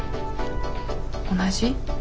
同じ？